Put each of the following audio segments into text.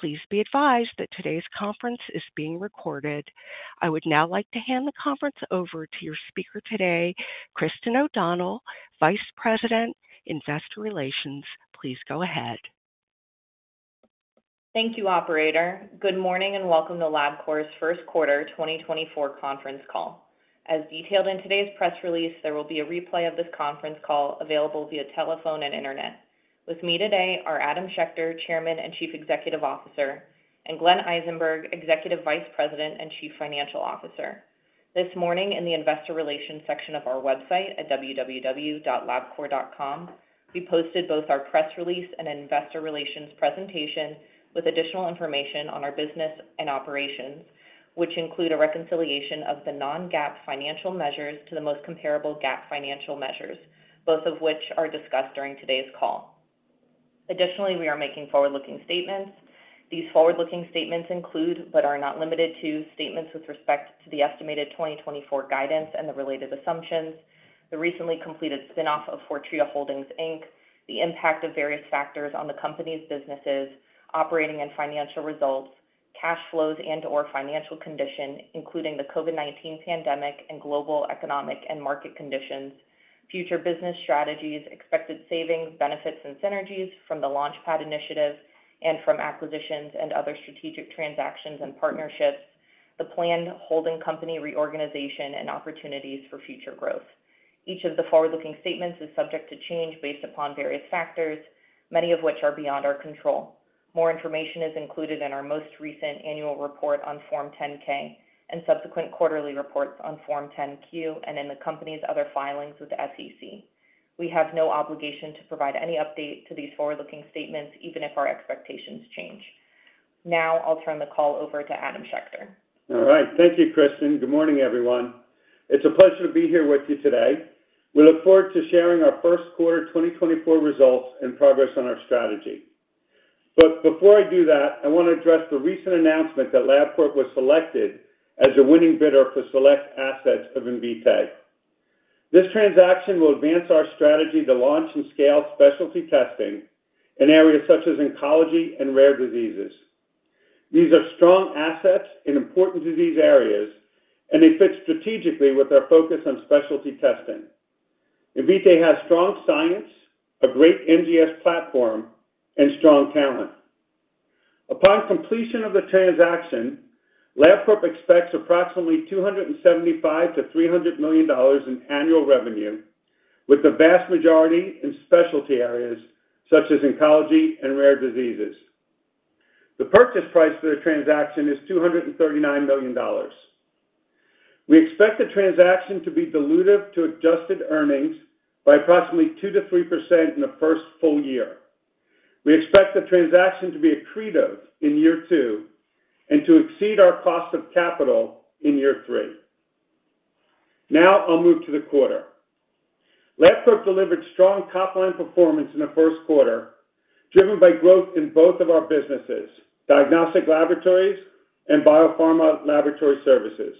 Please be advised that today's conference is being recorded. I would now like to hand the conference over to your speaker today, Christin O'Donnell, Vice President, Investor Relations. Please go ahead. Thank you, Operator. Good morning and welcome to Labcorp's First Quarter 2024 Conference Call. As detailed in today's press release, there will be a replay of this conference call available via telephone and internet. With me today are Adam Schechter, Chairman and Chief Executive Officer, and Glenn Eisenberg, Executive Vice President and Chief Financial Officer. This morning in the Investor Relations section of our website at www.labcorp.com, we posted both our press release and an Investor Relations presentation with additional information on our business and operations, which include a reconciliation of the non-GAAP financial measures to the most comparable GAAP financial measures, both of which are discussed during today's call. Additionally, we are making forward-looking statements. These forward-looking statements include, but are not limited to, statements with respect to the estimated 2024 guidance and the related assumptions, the recently completed spinoff of Fortrea Holdings, Inc., the impact of various factors on the company's businesses, operating and financial results, cash flows and/or financial condition, including the COVID-19 pandemic and global economic and market conditions, future business strategies, expected savings, benefits, and synergies from the LaunchPad Initiative, and from acquisitions and other strategic transactions and partnerships, the planned holding company reorganization, and opportunities for future growth. Each of the forward-looking statements is subject to change based upon various factors, many of which are beyond our control. More information is included in our most recent annual report on Form 10-K and subsequent quarterly reports on Form 10-Q and in the company's other filings with the SEC. We have no obligation to provide any update to these forward-looking statements, even if our expectations change. Now I'll turn the call over to Adam Schechter. All right. Thank you, Christin. Good morning, everyone. It's a pleasure to be here with you today. We look forward to sharing our first quarter 2024 results and progress on our strategy. But before I do that, I want to address the recent announcement that Labcorp was selected as a winning bidder for select assets of Invitae. This transaction will advance our strategy to launch and scale specialty testing in areas such as oncology and rare diseases. These are strong assets in important disease areas, and they fit strategically with our focus on specialty testing. Invitae has strong science, a great NGS platform, and strong talent. Upon completion of the transaction, Labcorp expects approximately $275 million-$300 million in annual revenue, with the vast majority in specialty areas such as oncology and rare diseases. The purchase price for the transaction is $239 million. We expect the transaction to be dilutive to adjusted earnings by approximately 2%-3% in the first full year. We expect the transaction to be accretive in year two and to exceed our cost of capital in year three. Now I'll move to the quarter. Labcorp delivered strong top-line performance in the first quarter, driven by growth in both of our businesses, Diagnostic Laboratories and Biopharma Laboratory Services.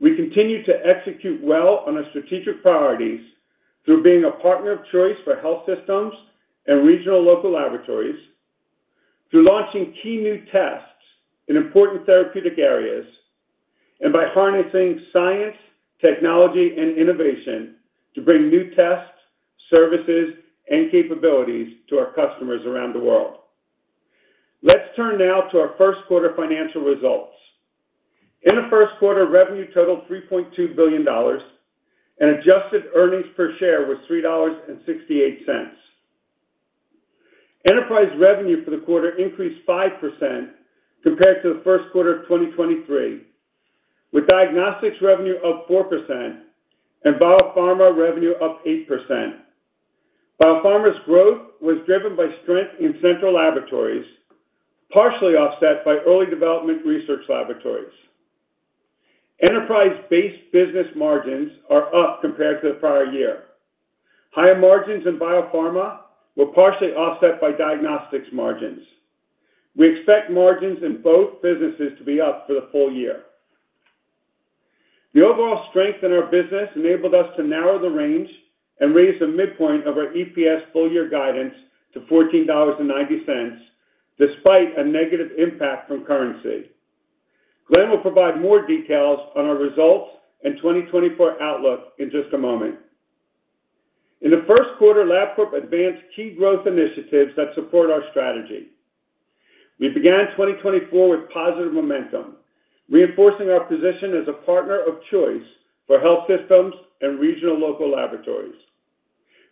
We continue to execute well on our strategic priorities through being a partner of choice for health systems and regional local laboratories, through launching key new tests in important therapeutic areas, and by harnessing science, technology, and innovation to bring new tests, services, and capabilities to our customers around the world. Let's turn now to our first quarter financial results. In the first quarter, revenue totaled $3.2 billion, and adjusted earnings per share was $3.68. Enterprise revenue for the quarter increased 5% compared to the first quarter of 2023, with diagnostics revenue up 4% and biopharma revenue up 8%. Biopharma's growth was driven by strength in central laboratories, partially offset by early development research laboratories. Enterprise-based business margins are up compared to the prior year. Higher margins in biopharma were partially offset by diagnostics margins. We expect margins in both businesses to be up for the full year. The overall strength in our business enabled us to narrow the range and raise the midpoint of our EPS full-year guidance to $14.90, despite a negative impact from currency. Glenn will provide more details on our results and 2024 outlook in just a moment. In the first quarter, Labcorp advanced key growth initiatives that support our strategy. We began 2024 with positive momentum, reinforcing our position as a partner of choice for health systems and regional local laboratories.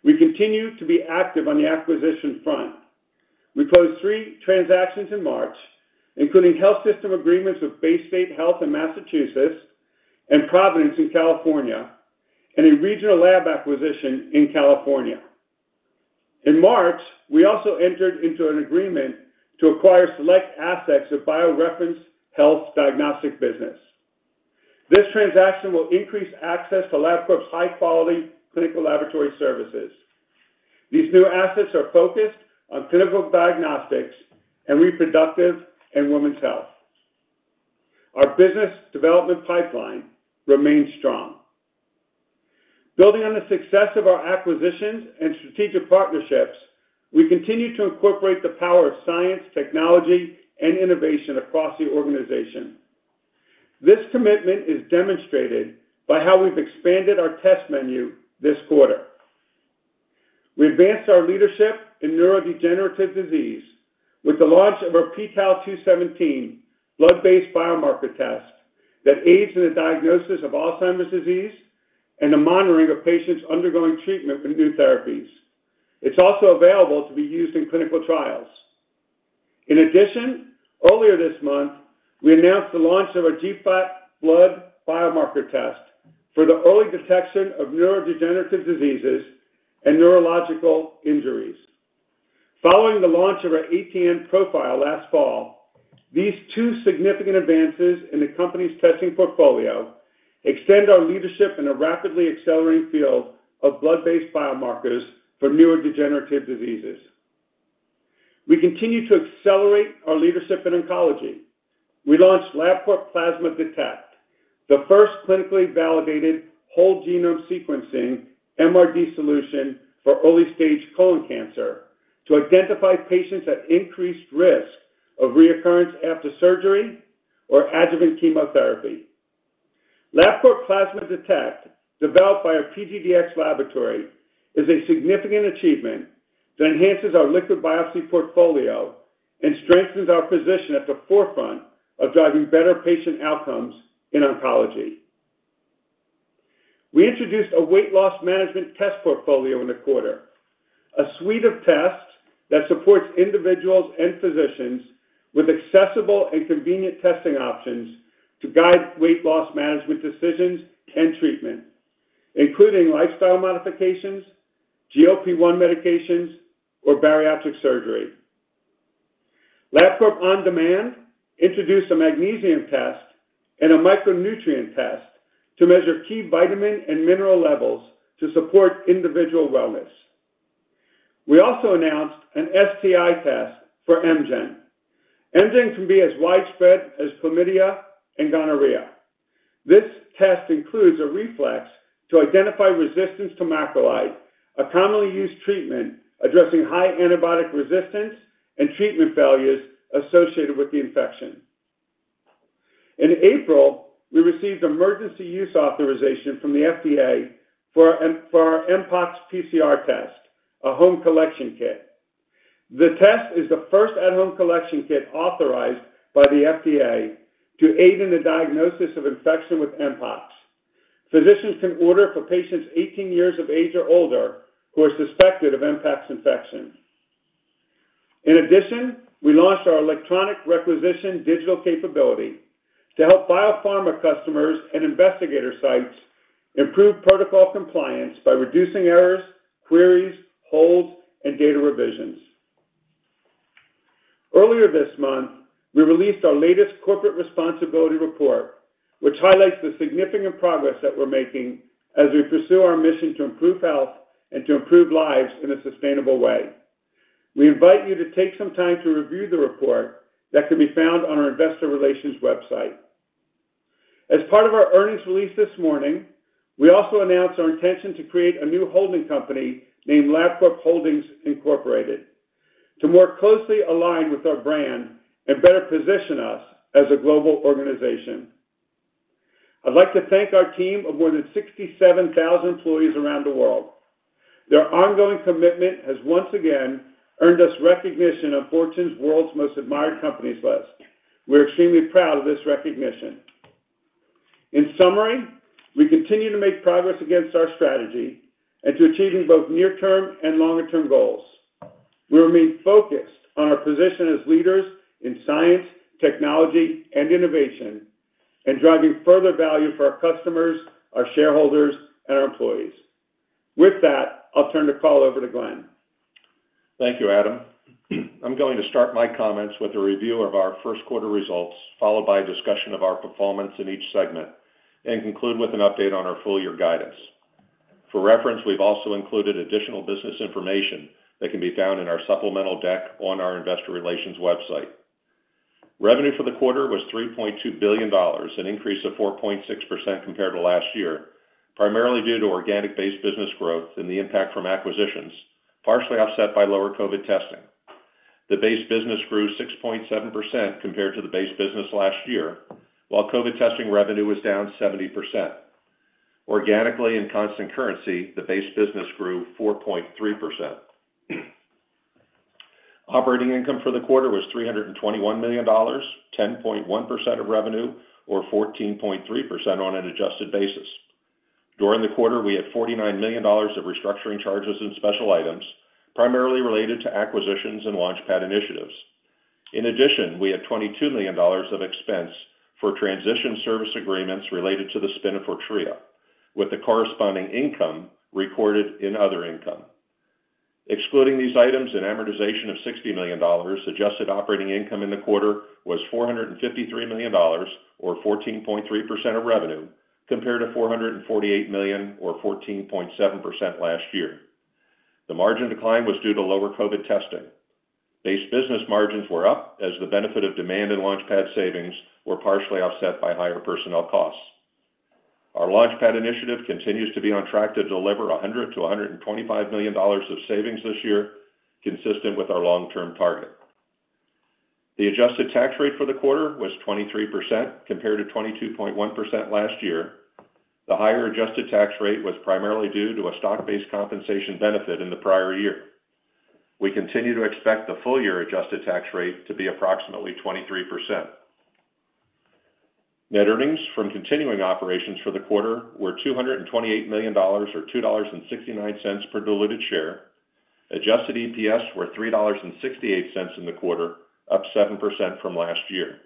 We continue to be active on the acquisition front. We closed three transactions in March, including health system agreements with Baystate Health in Massachusetts and Providence in California, and a regional lab acquisition in California. In March, we also entered into an agreement to acquire select assets of BioReference Health diagnostic business. This transaction will increase access to Labcorp's high-quality clinical laboratory services. These new assets are focused on clinical diagnostics, reproductive, and women's health. Our business development pipeline remains strong. Building on the success of our acquisitions and strategic partnerships, we continue to incorporate the power of science, technology, and innovation across the organization. This commitment is demonstrated by how we've expanded our test menu this quarter. We advanced our leadership in neurodegenerative disease with the launch of our pTau-217 blood-based biomarker test that aids in the diagnosis of Alzheimer's disease and the monitoring of patients undergoing treatment with new therapies. It's also available to be used in clinical trials. In addition, earlier this month, we announced the launch of our GFAP blood biomarker test for the early detection of neurodegenerative diseases and neurological injuries. Following the launch of our ATN Profile last fall, these two significant advances in the company's testing portfolio extend our leadership in a rapidly accelerating field of blood-based biomarkers for neurodegenerative diseases. We continue to accelerate our leadership in oncology. We launched Labcorp Plasma Detect, the first clinically validated whole genome sequencing MRD solution for early-stage colon cancer to identify patients at increased risk of reoccurrence after surgery or adjuvant chemotherapy. Labcorp Plasma Detect, developed by our PGDx laboratory, is a significant achievement that enhances our liquid biopsy portfolio and strengthens our position at the forefront of driving better patient outcomes in oncology. We introduced a weight loss management test portfolio in the quarter, a suite of tests that supports individuals and physicians with accessible and convenient testing options to guide weight loss management decisions and treatment, including lifestyle modifications, GLP-1 medications, or bariatric surgery. Labcorp OnDemand introduced a magnesium test and a micronutrient test to measure key vitamin and mineral levels to support individual wellness. We also announced an STI test for Mgen. Mgen can be as widespread as chlamydia and gonorrhea. This test includes a reflex to identify resistance to macrolide, a commonly used treatment addressing high antibiotic resistance and treatment failures associated with the infection. In April, we received emergency use authorization from the FDA for our mpox PCR test, a home collection kit. The test is the first at-home collection kit authorized by the FDA to aid in the diagnosis of infection with mpox. Physicians can order for patients 18 years of age or older who are suspected of mpox infection. In addition, we launched our electronic requisition digital capability to help biopharma customers and investigator sites improve protocol compliance by reducing errors, queries, holds, and data revisions. Earlier this month, we released our latest corporate responsibility report, which highlights the significant progress that we're making as we pursue our mission to improve health and to improve lives in a sustainable way. We invite you to take some time to review the report that can be found on our Investor Relations website. As part of our earnings release this morning, we also announced our intention to create a new holding company named Labcorp Holdings, Incorporated, to more closely align with our brand and better position us as a global organization. I'd like to thank our team of more than 67,000 employees around the world. Their ongoing commitment has once again earned us recognition on Fortune's World's Most Admired Companies list. We're extremely proud of this recognition. In summary, we continue to make progress against our strategy and to achieving both near-term and longer-term goals. We remain focused on our position as leaders in science, technology, and innovation, and driving further value for our customers, our shareholders, and our employees. With that, I'll turn the call over to Glenn. Thank you, Adam. I'm going to start my comments with a review of our first quarter results, followed by a discussion of our performance in each segment, and conclude with an update on our full-year guidance. For reference, we've also included additional business information that can be found in our supplemental deck on our Investor Relations website. Revenue for the quarter was $3.2 billion, an increase of 4.6% compared to last year, primarily due to organic-based business growth and the impact from acquisitions, partially offset by lower COVID testing. The base business grew 6.7% compared to the base business last year, while COVID testing revenue was down 70%. Organically and constant currency, the base business grew 4.3%. Operating income for the quarter was $321 million, 10.1% of revenue, or 14.3% on an adjusted basis. During the quarter, we had $49 million of restructuring charges and special items, primarily related to acquisitions and LaunchPad initiatives. In addition, we had $22 million of expense for transition service agreements related to the spin of Fortrea, with the corresponding income recorded in other income. Excluding these items and amortization of $60 million, adjusted operating income in the quarter was $453 million, or 14.3% of revenue, compared to $448 million, or 14.7% last year. The margin decline was due to lower COVID testing. Base business margins were up, as the benefit of demand and LaunchPad savings were partially offset by higher personnel costs. Our LaunchPad initiative continues to be on track to deliver $100 million-$125 million of savings this year, consistent with our long-term target. The adjusted tax rate for the quarter was 23% compared to 22.1% last year. The higher adjusted tax rate was primarily due to a stock-based compensation benefit in the prior year. We continue to expect the full-year adjusted tax rate to be approximately 23%. Net earnings from continuing operations for the quarter were $228 million, or $2.69 per diluted share. Adjusted EPS were $3.68 in the quarter, up 7% from last year.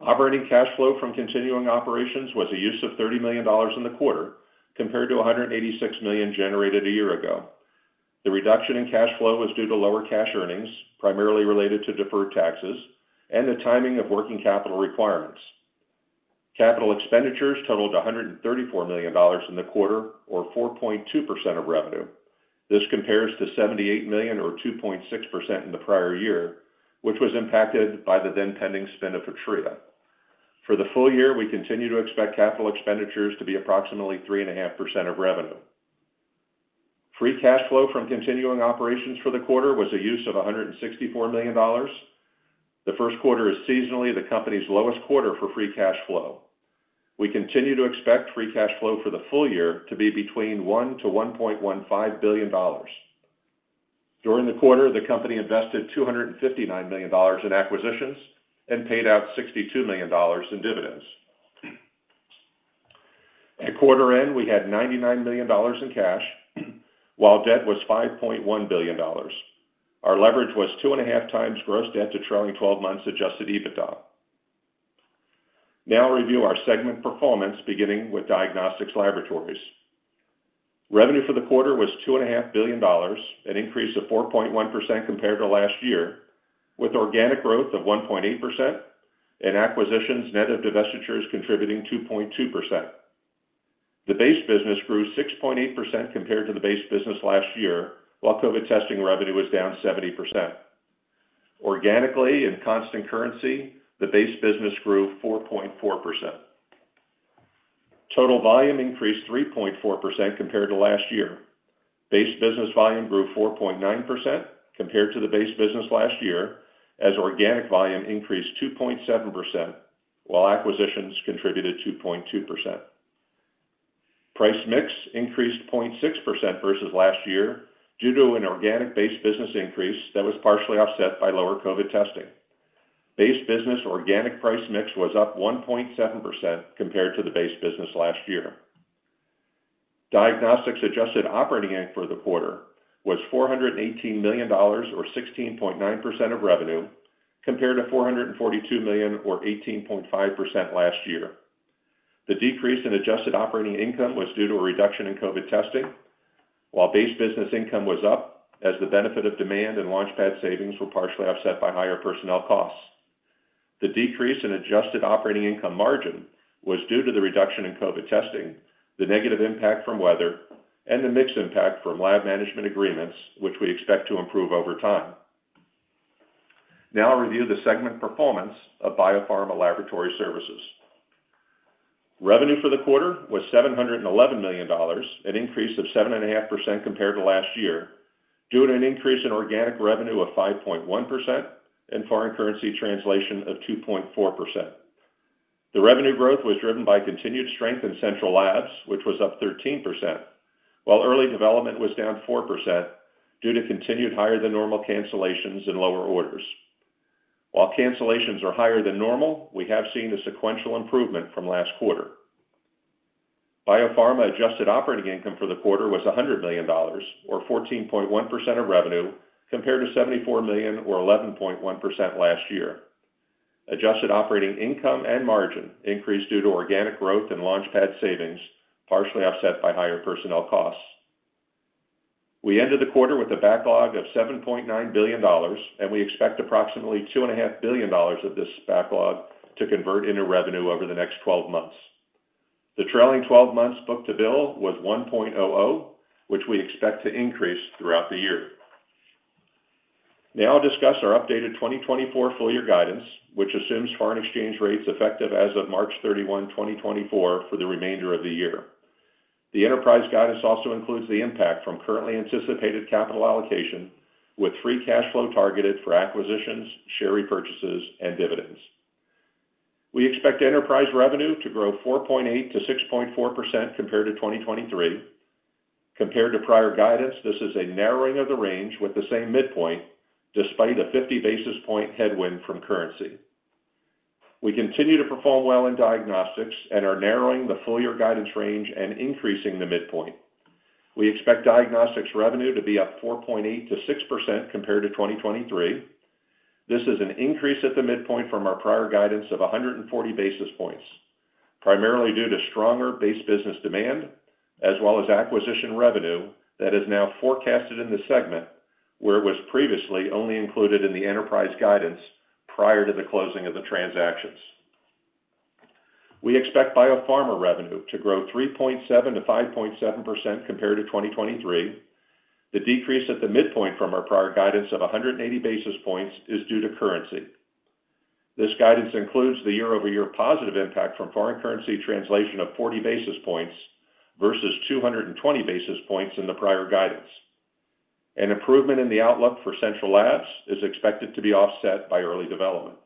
Operating cash flow from continuing operations was a use of $30 million in the quarter, compared to $186 million generated a year ago. The reduction in cash flow was due to lower cash earnings, primarily related to deferred taxes, and the timing of working capital requirements. Capital expenditures totaled $134 million in the quarter, or 4.2% of revenue. This compares to $78 million, or 2.6%, in the prior year, which was impacted by the then-pending spin of Fortrea. For the full year, we continue to expect capital expenditures to be approximately 3.5% of revenue. Free cash flow from continuing operations for the quarter was a use of $164 million. The first quarter is seasonally the company's lowest quarter for free cash flow. We continue to expect free cash flow for the full year to be between $1 billion-$1.15 billion. During the quarter, the company invested $259 million in acquisitions and paid out $62 million in dividends. At quarter end, we had $99 million in cash, while debt was $5.1 billion. Our leverage was 2.5x gross debt to trailing 12 months adjusted EBITDA. Now I'll review our segment performance, beginning with Diagnostics Laboratories. Revenue for the quarter was $2.5 billion, an increase of 4.1% compared to last year, with organic growth of 1.8% and acquisitions net of divestitures contributing 2.2%. The base business grew 6.8% compared to the base business last year, while COVID testing revenue was down 70%. Organically and constant currency, the base business grew 4.4%. Total volume increased 3.4% compared to last year. Base business volume grew 4.9% compared to the base business last year, as organic volume increased 2.7%, while acquisitions contributed 2.2%. Price mix increased 0.6% versus last year due to an organic base business increase that was partially offset by lower COVID testing. Base business organic price mix was up 1.7% compared to the base business last year. Diagnostics adjusted operating income for the quarter was $418 million, or 16.9% of revenue, compared to $442 million, or 18.5% last year. The decrease in adjusted operating income was due to a reduction in COVID testing, while base business income was up, as the benefit of demand and LaunchPad savings were partially offset by higher personnel costs. The decrease in adjusted operating income margin was due to the reduction in COVID testing, the negative impact from weather, and the mixed impact from lab management agreements, which we expect to improve over time. Now I'll review the segment performance of Biopharma Laboratory Services. Revenue for the quarter was $711 million, an increase of 7.5% compared to last year, due to an increase in organic revenue of 5.1% and foreign currency translation of 2.4%. The revenue growth was driven by continued strength in central labs, which was up 13%, while early development was down 4% due to continued higher-than-normal cancellations and lower orders. While cancellations are higher than normal, we have seen a sequential improvement from last quarter. Biopharma adjusted operating income for the quarter was $100 million, or 14.1% of revenue, compared to $74 million, or 11.1% last year. Adjusted operating income and margin increased due to organic growth and LaunchPad savings, partially offset by higher personnel costs. We ended the quarter with a backlog of $7.9 billion, and we expect approximately $2.5 billion of this backlog to convert into revenue over the next 12 months. The trailing 12 months book-to-bill was 1.00, which we expect to increase throughout the year. Now I'll discuss our updated 2024 full-year guidance, which assumes foreign exchange rates effective as of March 31, 2024, for the remainder of the year. The enterprise guidance also includes the impact from currently anticipated capital allocation, with free cash flow targeted for acquisitions, share repurchases, and dividends. We expect enterprise revenue to grow 4.8%-6.4% compared to 2023. Compared to prior guidance, this is a narrowing of the range with the same midpoint, despite a 50 basis point headwind from currency. We continue to perform well in diagnostics and are narrowing the full-year guidance range and increasing the midpoint. We expect diagnostics revenue to be up 4.8%-6% compared to 2023. This is an increase at the midpoint from our prior guidance of 140 basis points, primarily due to stronger base business demand as well as acquisition revenue that is now forecasted in the segment where it was previously only included in the enterprise guidance prior to the closing of the transactions. We expect biopharma revenue to grow 3.7%-5.7% compared to 2023. The decrease at the midpoint from our prior guidance of 180 basis points is due to currency. This guidance includes the year-over-year positive impact from foreign currency translation of 40 basis points versus 220 basis points in the prior guidance. An improvement in the outlook for central labs is expected to be offset by early development.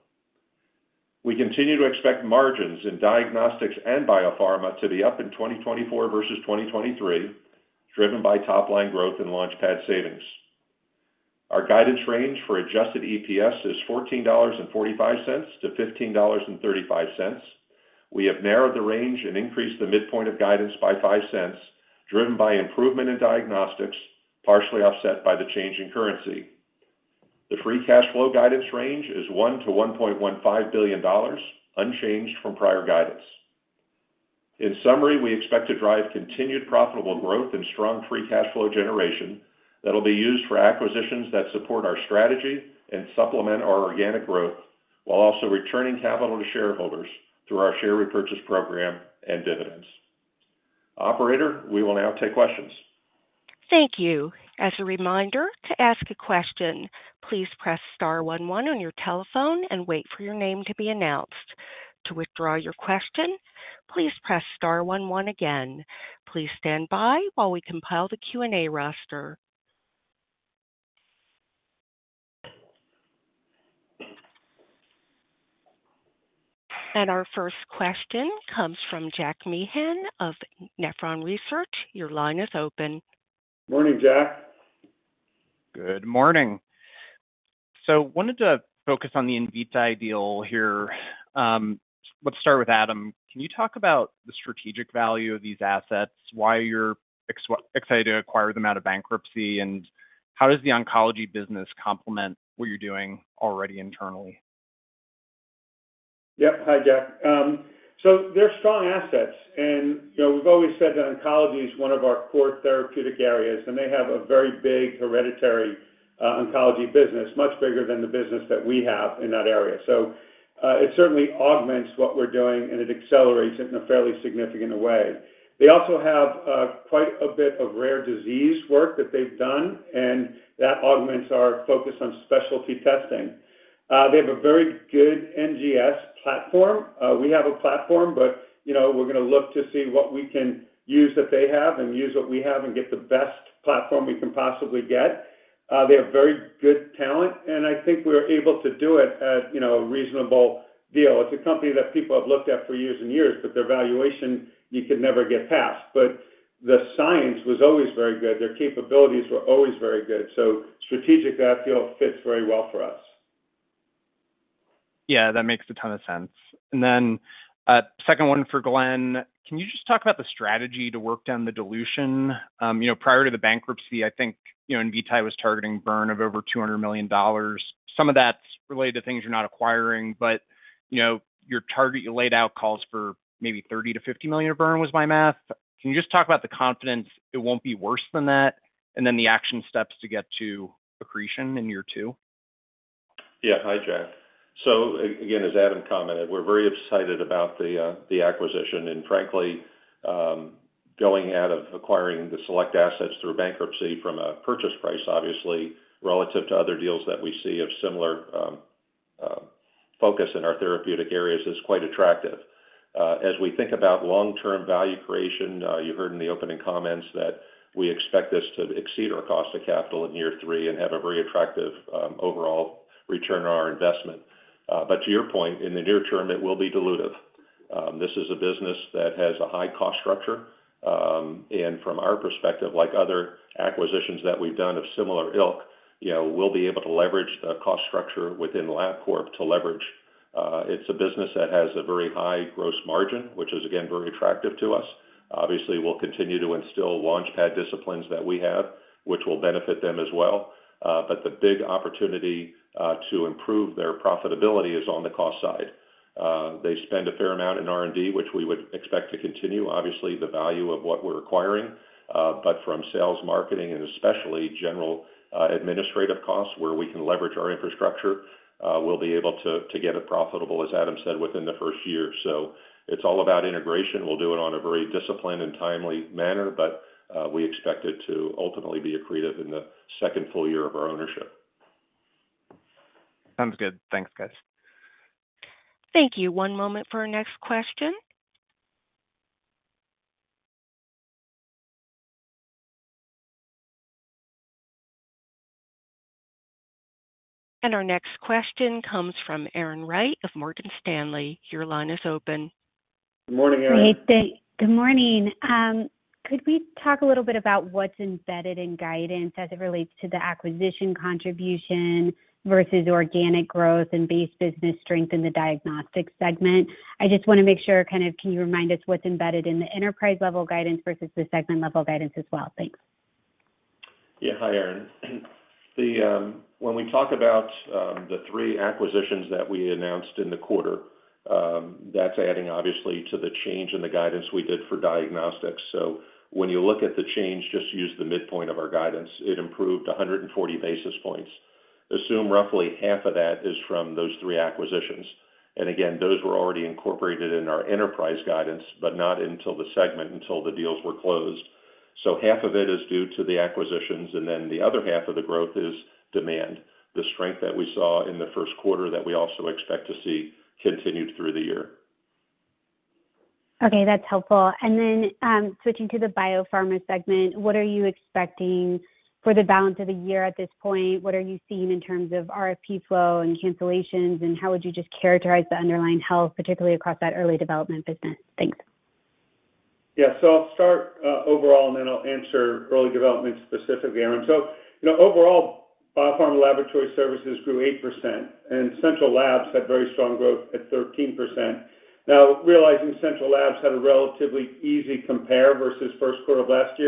We continue to expect margins in diagnostics and biopharma to be up in 2024 versus 2023, driven by top-line growth and LaunchPad savings. Our guidance range for adjusted EPS is $14.45-$15.35. We have narrowed the range and increased the midpoint of guidance by $0.05, driven by improvement in diagnostics, partially offset by the change in currency. The free cash flow guidance range is $1 billion-$1.15 billion, unchanged from prior guidance. In summary, we expect to drive continued profitable growth and strong free cash flow generation that'll be used for acquisitions that support our strategy and supplement our organic growth, while also returning capital to shareholders through our share repurchase program and dividends. Operator, we will now take questions. Thank you. As a reminder, to ask a question, please press star one one on your telephone and wait for your name to be announced. To withdraw your question, please press star one one again. Please stand by while we compile the Q&A roster. Our first question comes from Jack Meehan of Nephron Research. Your line is open. Morning, Jack. Good morning. I wanted to focus on the Invitae deal here. Let's start with Adam. Can you talk about the strategic value of these assets, why you're excited to acquire them out of bankruptcy, and how does the oncology business complement what you're doing already internally? Yep. Hi, Jack. They're strong assets. We've always said that oncology is one of our core therapeutic areas, and they have a very big hereditary oncology business, much bigger than the business that we have in that area. It certainly augments what we're doing, and it accelerates it in a fairly significant way. They also have quite a bit of rare disease work that they've done, and that augments our focus on specialty testing. They have a very good NGS platform. We have a platform, but we're going to look to see what we can use that they have and use what we have and get the best platform we can possibly get. They have very good talent, and I think we were able to do it at a reasonable deal. It's a company that people have looked at for years and years, but their valuation, you could never get past. But the science was always very good. Their capabilities were always very good. So strategically, I feel it fits very well for us. Yeah, that makes a ton of sense. Then second one for Glenn, can you just talk about the strategy to work down the dilution? Prior to the bankruptcy, I think Invitae was targeting burn of over $200 million. Some of that's related to things you're not acquiring, but your target you laid out calls for maybe $30 million-$50 million of burn was my math. Can you just talk about the confidence it won't be worse than that, and then the action steps to get to accretion in year two? Yeah. Hi, Jack. So again, as Adam commented, we're very excited about the acquisition. And frankly, going out of acquiring the select assets through bankruptcy from a purchase price, obviously, relative to other deals that we see of similar focus in our therapeutic areas is quite attractive. As we think about long-term value creation, you heard in the opening comments that we expect this to exceed our cost of capital in year three and have a very attractive overall return on our investment. But to your point, in the near term, it will be dilutive. This is a business that has a high cost structure. And from our perspective, like other acquisitions that we've done of similar ilk, we'll be able to leverage the cost structure within Labcorp to leverage. It's a business that has a very high gross margin, which is, again, very attractive to us. Obviously, we'll continue to instill LaunchPad disciplines that we have, which will benefit them as well. But the big opportunity to improve their profitability is on the cost side. They spend a fair amount in R&D, which we would expect to continue, obviously, the value of what we're acquiring. But from sales, marketing, and especially general administrative costs, where we can leverage our infrastructure, we'll be able to get it profitable, as Adam said, within the first year. So it's all about integration. We'll do it on a very disciplined and timely manner, but we expect it to ultimately be accretive in the second full year of our ownership. Sounds good. Thanks, guys. Thank you. One moment for our next question. Our next question comes from Erin Wright of Morgan Stanley. Your line is open. Good morning, Erin. Hey, thanks. Good morning. Could we talk a little bit about what's embedded in guidance as it relates to the acquisition contribution versus organic growth and base business strength in the diagnostics segment? I just want to make sure kind of can you remind us what's embedded in the enterprise-level guidance versus the segment-level guidance as well? Thanks. Yeah. Hi, Erin. When we talk about the three acquisitions that we announced in the quarter, that's adding, obviously, to the change in the guidance we did for diagnostics. So when you look at the change, just use the midpoint of our guidance. It improved 140 basis points. Assume roughly half of that is from those three acquisitions. And again, those were already incorporated in our enterprise guidance, but not into the segment until the deals were closed. So half of it is due to the acquisitions, and then the other half of the growth is demand, the strength that we saw in the first quarter that we also expect to see continued through the year. Okay. That's helpful. And then switching to the biopharma segment, what are you expecting for the balance of the year at this point? What are you seeing in terms of RFP flow and cancellations, and how would you just characterize the underlying health, particularly across that early development business? Thanks. Yeah. So I'll start overall, and then I'll answer early development specifically, Erin. So overall, Biopharma Laboratory Services grew 8%, and central labs had very strong growth at 13%. Now, realizing central labs had a relatively easy compare versus first quarter of last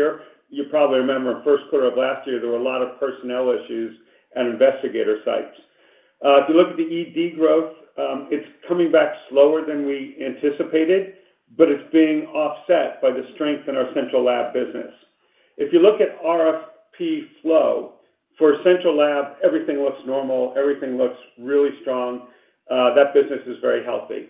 year, you probably remember in first quarter of last year, there were a lot of personnel issues at investigator sites. If you look at the ED growth, it's coming back slower than we anticipated, but it's being offset by the strength in our central lab business. If you look at RFP flow, for central lab, everything looks normal. Everything looks really strong. That business is very healthy.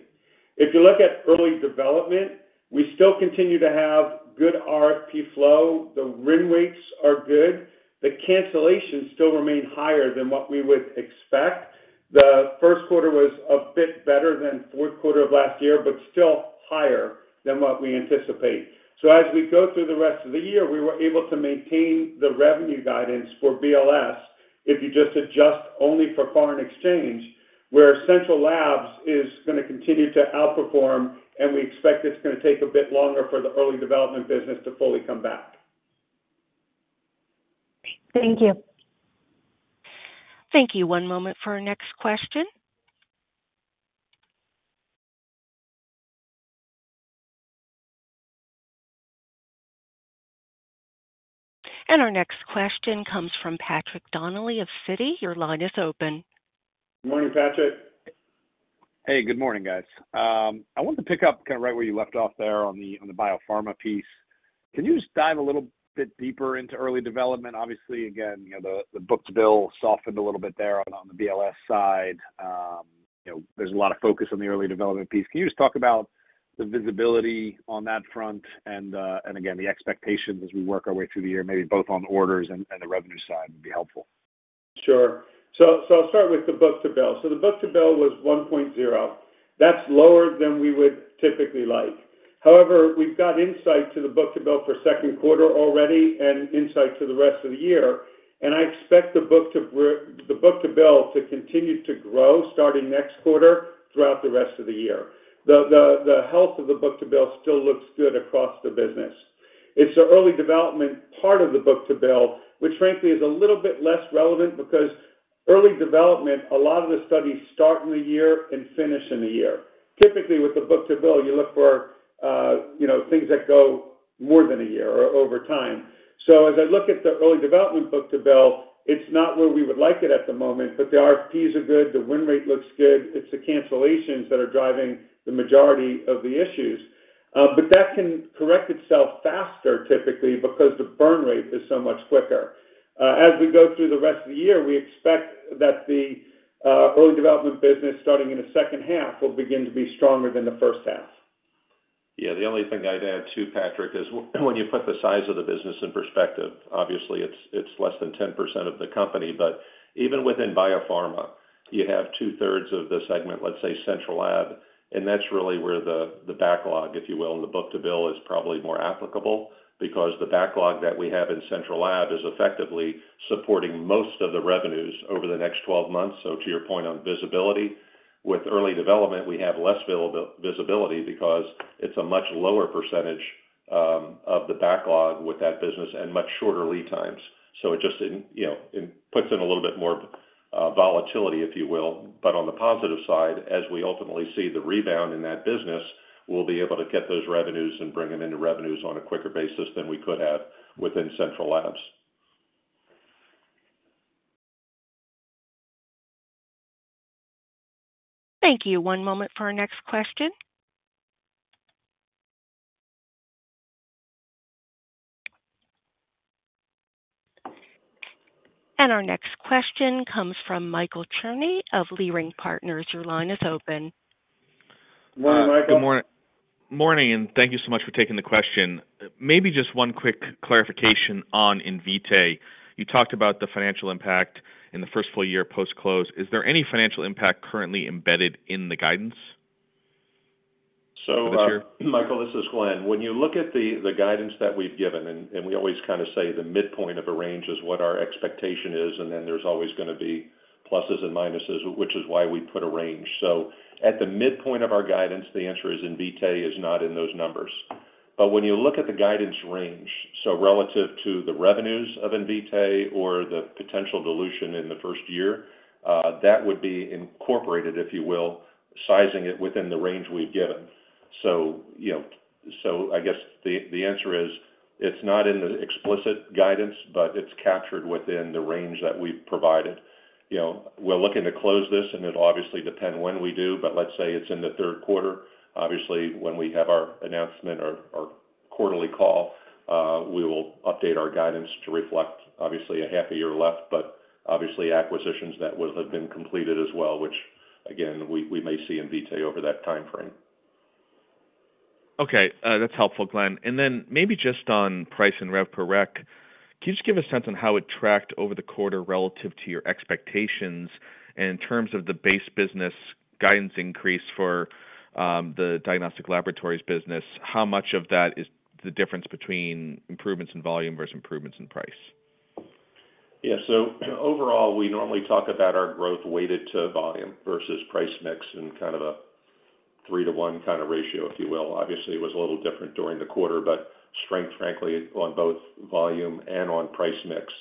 If you look at early development, we still continue to have good RFP flow. The win rates are good. The cancellations still remain higher than what we would expect. The first quarter was a bit better than fourth quarter of last year, but still higher than what we anticipate. As we go through the rest of the year, we were able to maintain the revenue guidance for BLS if you just adjust only for foreign exchange, where central labs is going to continue to outperform, and we expect it's going to take a bit longer for the early development business to fully come back. Thank you. Thank you. One moment for our next question. Our next question comes from Patrick Donnelly of Citi. Your line is open. Good morning, Patrick. Hey. Good morning, guys. I wanted to pick up kind of right where you left off there on the biopharma piece. Can you just dive a little bit deeper into early development? Obviously, again, the book-to-bill softened a little bit there on the BLS side. There's a lot of focus on the early development piece. Can you just talk about the visibility on that front and, again, the expectations as we work our way through the year? Maybe both on orders and the revenue side would be helpful. Sure. So I'll start with the book-to-bill. So the book-to-bill was 1.0. That's lower than we would typically like. However, we've got insight to the book-to-bill for second quarter already and insight to the rest of the year. And I expect the book-to-bill to continue to grow starting next quarter throughout the rest of the year. The health of the book-to-bill still looks good across the business. It's the early development part of the book-to-bill, which frankly is a little bit less relevant because early development, a lot of the studies start in the year and finish in the year. Typically, with the book-to-bill, you look for things that go more than a year or over time. So as I look at the early development book-to-bill, it's not where we would like it at the moment, but the RFPs are good. The win rate looks good. It's the cancellations that are driving the majority of the issues. But that can correct itself faster, typically, because the burn rate is so much quicker. As we go through the rest of the year, we expect that the early development business starting in the second half will begin to be stronger than the first half. Yeah. The only thing I'd add too, Patrick, is when you put the size of the business in perspective, obviously, it's less than 10% of the company. But even within biopharma, you have 2/3 of the segment, let's say central lab, and that's really where the backlog, if you will, and the book-to-bill is probably more applicable because the backlog that we have in central lab is effectively supporting most of the revenues over the next 12 months. So to your point on visibility, with early development, we have less visibility because it's a much lower percentage of the backlog with that business and much shorter lead times. So it just puts in a little bit more volatility, if you will. But on the positive side, as we ultimately see the rebound in that business, we'll be able to get those revenues and bring them into revenues on a quicker basis than we could have within central labs. Thank you. One moment for our next question. Our next question comes from Michael Cherny of Leerink Partners. Your line is open. Good morning, Michael. Good morning. Thank you so much for taking the question. Maybe just one quick clarification on Invitae. You talked about the financial impact in the first full year post-close. Is there any financial impact currently embedded in the guidance for this year? Michael, this is Glenn. When you look at the guidance that we've given, and we always kind of say the midpoint of a range is what our expectation is, and then there's always going to be pluses and minuses, which is why we put a range. So at the midpoint of our guidance, the answer is Invitae is not in those numbers. But when you look at the guidance range, so relative to the revenues of Invitae or the potential dilution in the first year, that would be incorporated, if you will, sizing it within the range we've given. So I guess the answer is it's not in the explicit guidance, but it's captured within the range that we've provided. We're looking to close this, and it'll obviously depend when we do. But let's say it's in the third quarter. Obviously, when we have our announcement or quarterly call, we will update our guidance to reflect, obviously, a half a year left, but obviously, acquisitions that have been completed as well, which, again, we may see Invitae over that timeframe. Okay. That's helpful, Glenn. Then maybe just on price and revenue per req, can you just give a sense on how it tracked over the quarter relative to your expectations? In terms of the base business guidance increase for the Diagnostic Laboratories business, how much of that is the difference between improvements in volume versus improvements in price? Yeah. So overall, we normally talk about our growth weighted to volume versus price mix in kind of a 3:1 kind of ratio, if you will. Obviously, it was a little different during the quarter, but strength, frankly, on both volume and on price mix.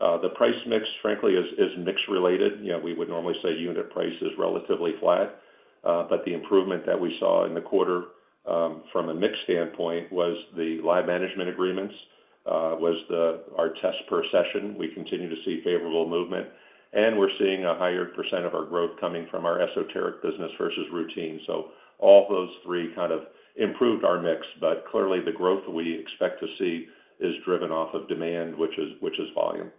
The price mix, frankly, is mix-related. We would normally say unit price is relatively flat. But the improvement that we saw in the quarter from a mix standpoint was the lab management agreements, was our test per session. We continue to see favorable movement, and we're seeing a higher percent of our growth coming from our esoteric business versus routine. So all those three kind of improved our mix, but clearly, the growth we expect to see is driven off of demand, which is volume.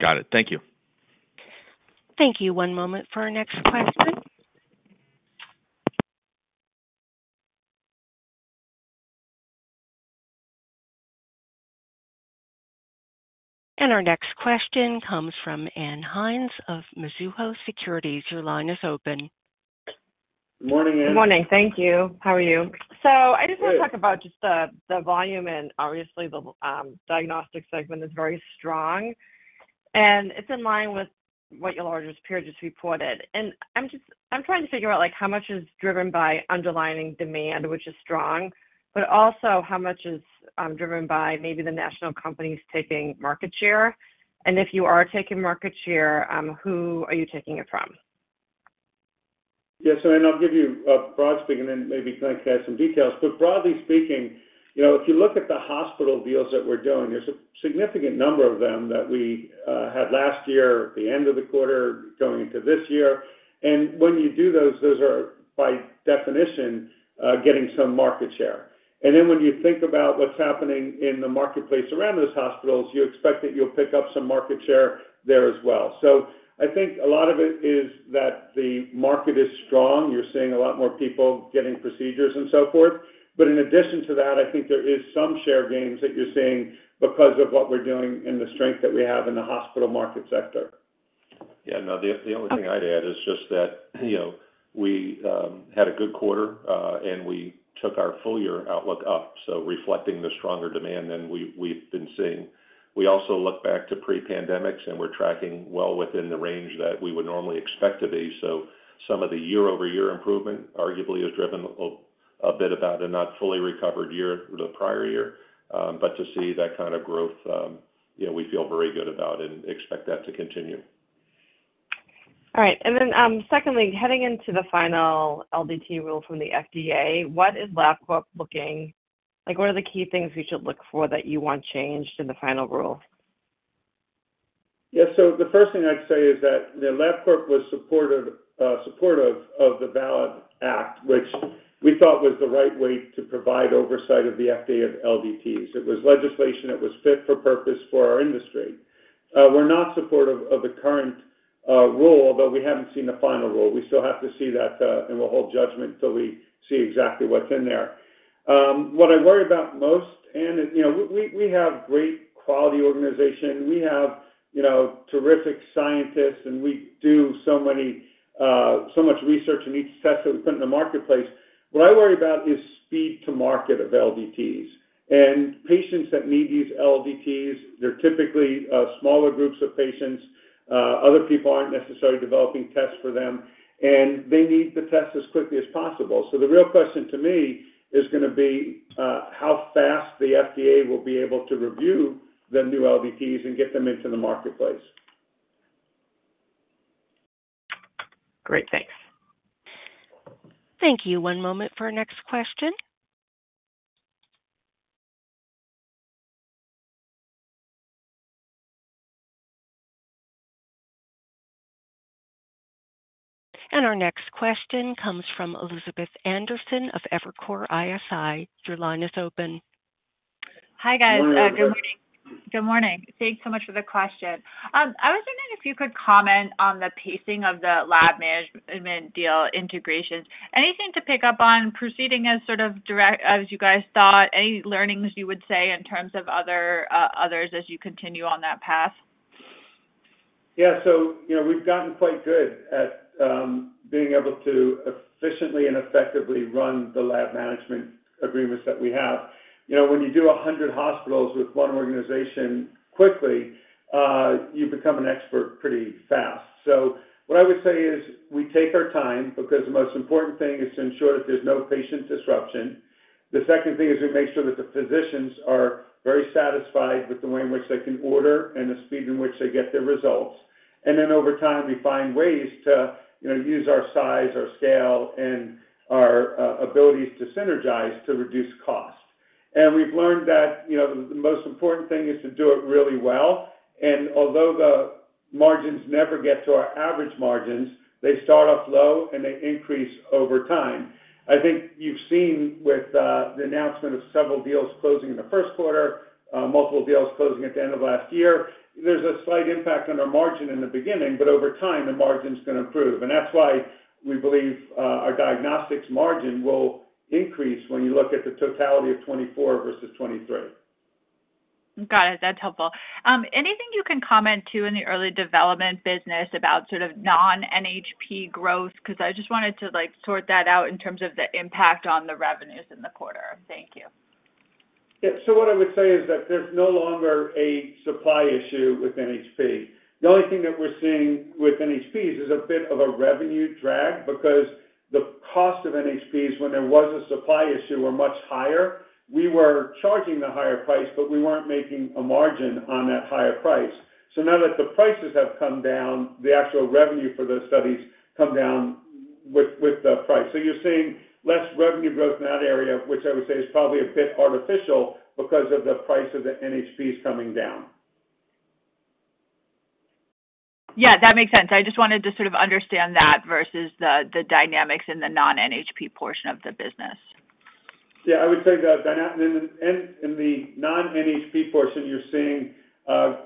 Got it. Thank you. Thank you. One moment for our next question. Our next question comes from Ann Hynes of Mizuho Securities. Your line is open. Good morning, Ann. Good morning. Thank you. How are you? So I just want to talk about just the volume. And obviously, the diagnostic segment is very strong, and it's in line with what your largest peer just reported. And I'm trying to figure out how much is driven by underlying demand, which is strong, but also how much is driven by maybe the national companies taking market share. And if you are taking market share, who are you taking it from? Yeah. So Ann, I'll give you a broad strokes, and then maybe I can add some details. But broadly speaking, if you look at the hospital deals that we're doing, there's a significant number of them that we had last year, the end of the quarter, going into this year. And when you do those, those are, by definition, getting some market share. And then when you think about what's happening in the marketplace around those hospitals, you expect that you'll pick up some market share there as well. So I think a lot of it is that the market is strong. You're seeing a lot more people getting procedures and so forth. But in addition to that, I think there is some share gains that you're seeing because of what we're doing and the strength that we have in the hospital market sector. Yeah. No. The only thing I'd add is just that we had a good quarter, and we took our full-year outlook up, so reflecting the stronger demand than we've been seeing. We also look back to pre-pandemic, and we're tracking well within the range that we would normally expect to be. So some of the year-over-year improvement, arguably, is driven a bit by a not-fully-recovered year the prior year. But to see that kind of growth, we feel very good about and expect that to continue. All right. Secondly, heading into the final LDT rule from the FDA, what are the key things you should look for that you want changed in the final rule? Yeah. So the first thing I'd say is that Labcorp was supportive of the VALID Act, which we thought was the right way to provide oversight of the FDA of LDTs. It was legislation that was fit for purpose for our industry. We're not supportive of the current rule, although we haven't seen the final rule. We still have to see that, and we'll hold judgment till we see exactly what's in there. What I worry about most, Ann, we have great quality organization. We have terrific scientists, and we do so much research in each test that we put in the marketplace. What I worry about is speed to market of LDTs. And patients that need these LDTs, they're typically smaller groups of patients. Other people aren't necessarily developing tests for them, and they need the tests as quickly as possible. The real question to me is going to be how fast the FDA will be able to review the new LDTs and get them into the marketplace. Great. Thanks. Thank you. One moment for our next question. Our next question comes from Elizabeth Anderson of Evercore ISI. Your line is open. Hi, guys. Good morning. Good morning. Thanks so much for the question. I was wondering if you could comment on the pacing of the lab management deal integrations. Anything to pick up on proceeding as sort of as you guys thought? Any learnings you would say in terms of others as you continue on that path? Yeah. So we've gotten quite good at being able to efficiently and effectively run the lab management agreements that we have. When you do 100 hospitals with one organization quickly, you become an expert pretty fast. So what I would say is we take our time because the most important thing is to ensure that there's no patient disruption. The second thing is we make sure that the physicians are very satisfied with the way in which they can order and the speed in which they get their results. And then over time, we find ways to use our size, our scale, and our abilities to synergize to reduce cost. And we've learned that the most important thing is to do it really well. And although the margins never get to our average margins, they start off low, and they increase over time. I think you've seen with the announcement of several deals closing in the first quarter, multiple deals closing at the end of last year, there's a slight impact on our margin in the beginning, but over time, the margin's going to improve. And that's why we believe our diagnostics margin will increase when you look at the totality of 2024 versus 2023. Got it. That's helpful. Anything you can comment on in the early development business about sort of non-NHP growth? Because I just wanted to sort that out in terms of the impact on the revenues in the quarter. Thank you. Yeah. So what I would say is that there's no longer a supply issue with NHP. The only thing that we're seeing with NHPs is a bit of a revenue drag because the cost of NHPs, when there was a supply issue, were much higher. We were charging the higher price, but we weren't making a margin on that higher price. So now that the prices have come down, the actual revenue for those studies come down with the price. So you're seeing less revenue growth in that area, which I would say is probably a bit artificial because of the price of the NHPs coming down. Yeah. That makes sense. I just wanted to sort of understand that versus the dynamics in the non-NHP portion of the business. Yeah. I would say that in the non-NHP portion, you're seeing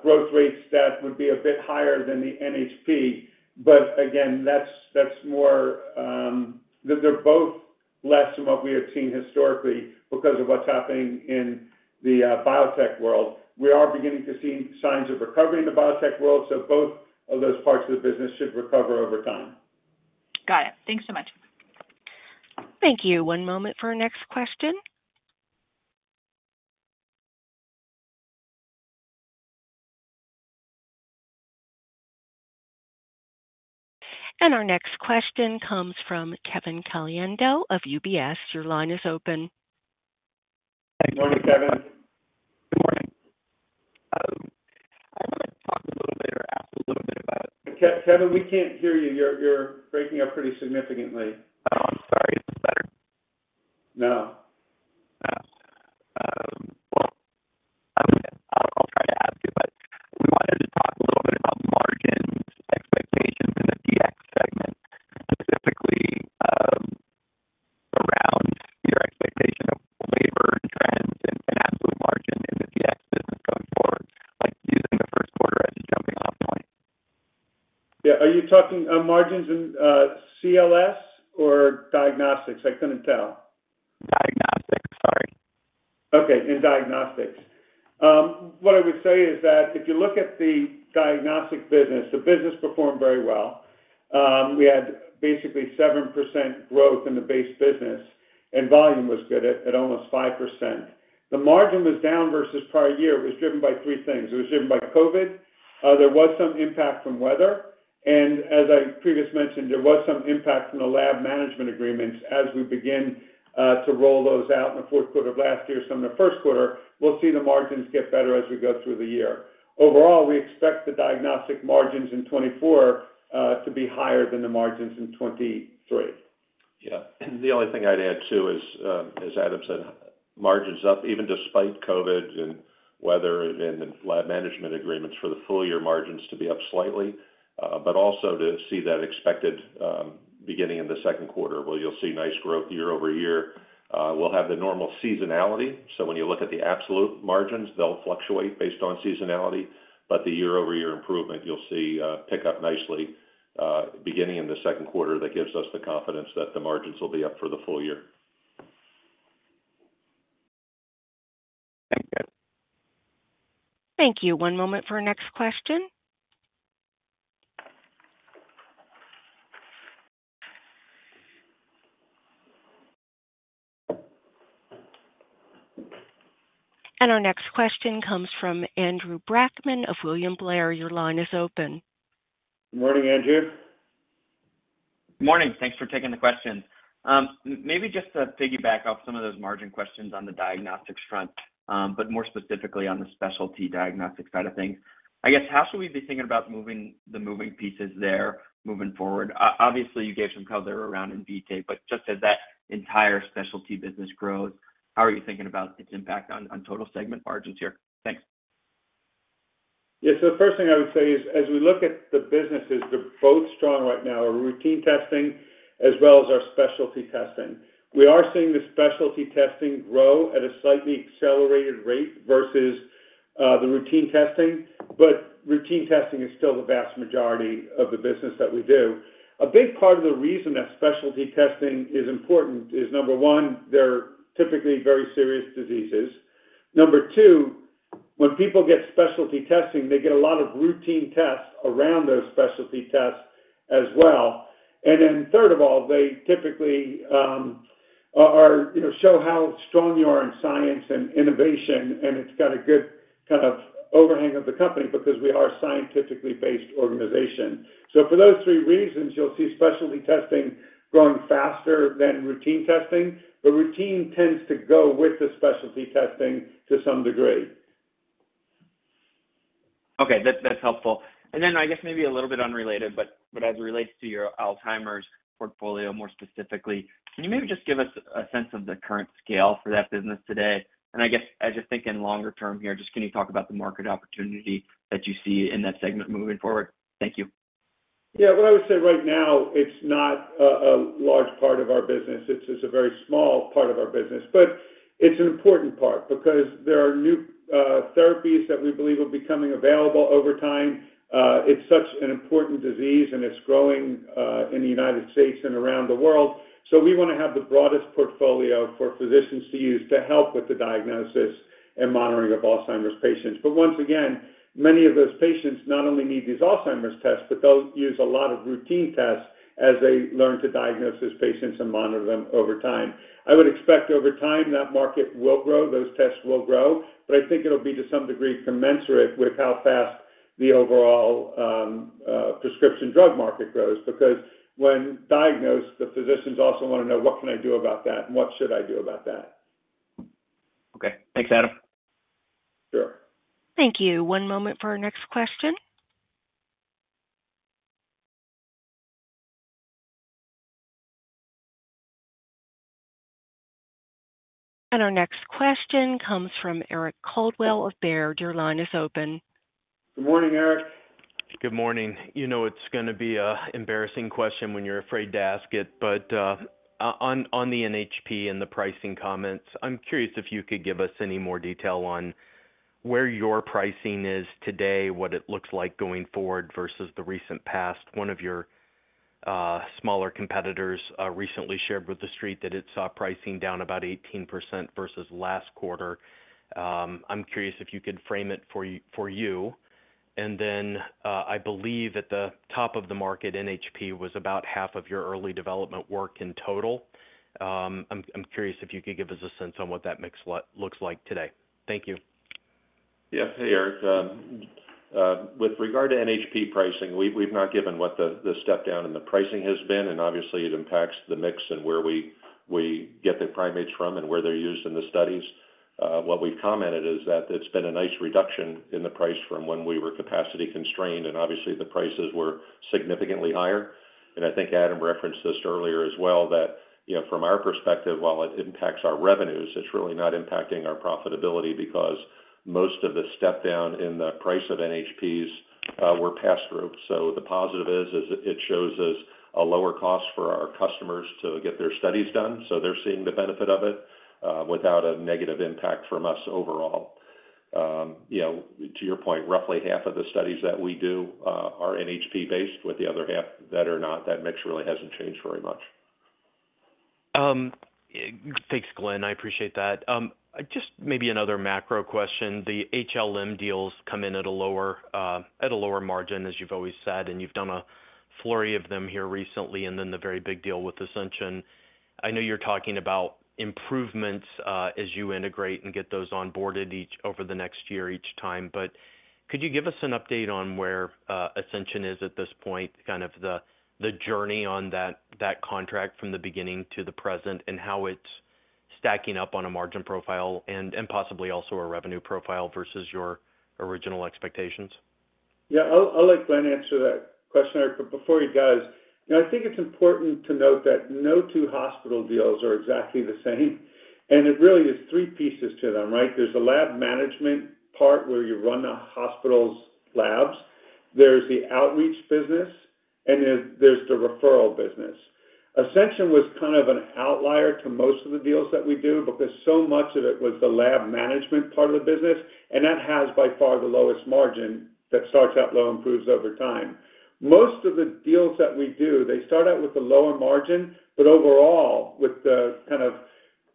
growth rates that would be a bit higher than the NHP. But again, that's more, they're both less than what we have seen historically because of what's happening in the biotech world. We are beginning to see signs of recovery in the biotech world, so both of those parts of the business should recover over time. Got it. Thanks so much. Thank you. One moment for our next question. Our next question comes from Kevin Caliendo of UBS. Your line is open. Good morning, Kevin. Good morning. I want to talk a little bit or ask a little bit about. Kevin, we can't hear you. You're breaking up pretty significantly. Oh, I'm sorry. Is this better? No. Well, I'll try to ask you, but we wanted to talk a little bit about margins, expectations, and the DX segment, specifically around your expectation of labor trends and absolute margin in the DX business going forward, using the first quarter as a jumping-off point. Yeah. Are you talking margins in CLS or diagnostics? I couldn't tell. Diagnostics. Sorry. Okay. In diagnostics. What I would say is that if you look at the diagnostic business, the business performed very well. We had basically 7% growth in the base business, and volume was good at almost 5%. The margin was down versus prior year. It was driven by three things. It was driven by COVID. There was some impact from weather. And as I previously mentioned, there was some impact from the lab management agreements. As we begin to roll those out in the fourth quarter of last year, some in the first quarter, we'll see the margins get better as we go through the year. Overall, we expect the diagnostic margins in 2024 to be higher than the margins in 2023. Yeah. And the only thing I'd add too is, as Adam said, margins up even despite COVID and weather and the lab management agreements, for the full-year margins to be up slightly, but also to see that expected beginning in the second quarter where you'll see nice growth year-over-year. We'll have the normal seasonality. So when you look at the absolute margins, they'll fluctuate based on seasonality. But the year-over-year improvement, you'll see pick up nicely beginning in the second quarter that gives us the confidence that the margins will be up for the full year. Thank you. Thank you. One moment for our next question. Our next question comes from Andrew Brackmann of William Blair. Your line is open. Good morning, Andrew. Good morning. Thanks for taking the question. Maybe just to piggyback off some of those margin questions on the diagnostics front, but more specifically on the specialty diagnostic side of things, I guess, how should we be thinking about the moving pieces there moving forward? Obviously, you gave some cover around Invitae, but just as that entire specialty business grows, how are you thinking about its impact on total segment margins here? Thanks. Yeah. So the first thing I would say is, as we look at the businesses, they're both strong right now, routine testing as well as our specialty testing. We are seeing the specialty testing grow at a slightly accelerated rate versus the routine testing, but routine testing is still the vast majority of the business that we do. A big part of the reason that specialty testing is important is, number one, they're typically very serious diseases. Number two, when people get specialty testing, they get a lot of routine tests around those specialty tests as well. And then third of all, they typically show how strong you are in science and innovation, and it's got a good kind of overhang of the company because we are a scientifically based organization. For those three reasons, you'll see specialty testing growing faster than routine testing, but routine tends to go with the specialty testing to some degree. Okay. That's helpful. And then I guess maybe a little bit unrelated, but as it relates to your Alzheimer's portfolio more specifically, can you maybe just give us a sense of the current scale for that business today? And I guess, as you're thinking longer-term here, just can you talk about the market opportunity that you see in that segment moving forward? Thank you. Yeah. What I would say right now, it's not a large part of our business. It's a very small part of our business, but it's an important part because there are new therapies that we believe will be coming available over time. It's such an important disease, and it's growing in the United States and around the world. So we want to have the broadest portfolio for physicians to use to help with the diagnosis and monitoring of Alzheimer's patients. But once again, many of those patients not only need these Alzheimer's tests, but they'll use a lot of routine tests as they learn to diagnose those patients and monitor them over time. I would expect, over time, that market will grow. Those tests will grow. I think it'll be to some degree commensurate with how fast the overall prescription drug market grows because when diagnosed, the physicians also want to know, "What can I do about that, and what should I do about that? Okay. Thanks, Adam. Sure. Thank you. One moment for our next question. Our next question comes from Eric Coldwell of Baird. Your line is open. Good morning, Eric. Good morning. It's going to be an embarrassing question when you're afraid to ask it, but on the NHP and the pricing comments, I'm curious if you could give us any more detail on where your pricing is today, what it looks like going forward versus the recent past. One of your smaller competitors recently shared with the street that it saw pricing down about 18% versus last quarter. I'm curious if you could frame it for you. I believe at the top of the market, NHP was about half of your early development work in total. I'm curious if you could give us a sense on what that mix looks like today. Thank you. Yeah. Hey, Eric. With regard to NHP pricing, we've not given what the stepdown in the pricing has been, and obviously, it impacts the mix and where we get the primates from and where they're used in the studies. What we've commented is that it's been a nice reduction in the price from when we were capacity-constrained, and obviously, the prices were significantly higher. And I think Adam referenced this earlier as well, that from our perspective, while it impacts our revenues, it's really not impacting our profitability because most of the stepdown in the price of NHPs were pass-through. So the positive is it shows us a lower cost for our customers to get their studies done. So they're seeing the benefit of it without a negative impact from us overall. To your point, roughly half of the studies that we do are NHP-based, with the other half that are not. That mix really hasn't changed very much. Thanks, Glenn. I appreciate that. Just maybe another macro question. The HLM deals come in at a lower margin, as you've always said, and you've done a flurry of them here recently, and then the very big deal with Ascension. I know you're talking about improvements as you integrate and get those onboarded over the next year each time, but could you give us an update on where Ascension is at this point, kind of the journey on that contract from the beginning to the present, and how it's stacking up on a margin profile and possibly also a revenue profile versus your original expectations? Yeah. I'll let Glenn answer that question, Eric. But before he does, I think it's important to note that no two hospital deals are exactly the same. And it really is three pieces to them, right? There's a lab management part where you run the hospital's labs. There's the outreach business, and there's the referral business. Ascension was kind of an outlier to most of the deals that we do because so much of it was the lab management part of the business, and that has by far the lowest margin that starts out low, improves over time. Most of the deals that we do, they start out with the lower margin, but overall, with the kind of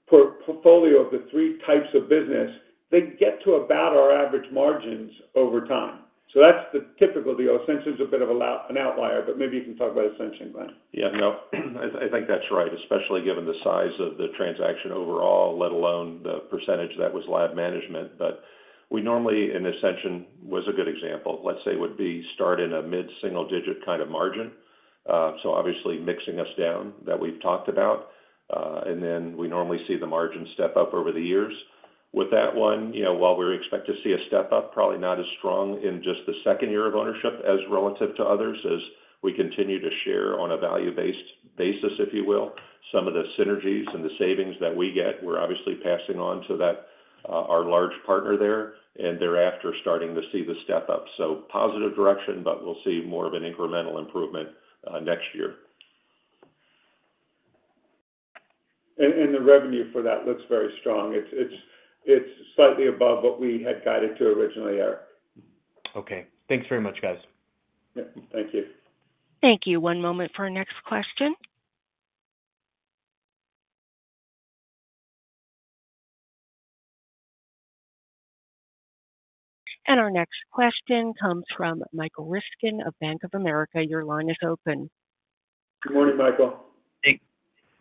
portfolio of the three types of business, they get to about our average margins over time. So that's the typical deal. Ascension's a bit of an outlier, but maybe you can talk about Ascension, Glenn. Yeah. No, I think that's right, especially given the size of the transaction overall, let alone the percentage that was lab management. But we normally in Ascension, was a good example, let's say, would be start in a mid-single-digit kind of margin, so obviously mixing us down that we've talked about. And then we normally see the margin step up over the years. With that one, while we expect to see a step-up, probably not as strong in just the second year of ownership as relative to others, as we continue to share on a value-based basis, if you will, some of the synergies and the savings that we get, we're obviously passing on to our large partner there, and thereafter, starting to see the step-up. So positive direction, but we'll see more of an incremental improvement next year. The revenue for that looks very strong. It's slightly above what we had guided to originally, Eric. Okay. Thanks very much, guys. Yeah. Thank you. Thank you. One moment for our next question. Our next question comes from Michael Ryskin of Bank of America. Your line is open. Good morning, Michael.